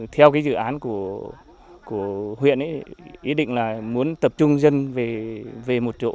theo cái dự án của huyện ý định là muốn tập trung dân về một chỗ